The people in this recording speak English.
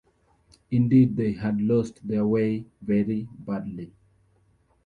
Indeed they had lost their way very badly.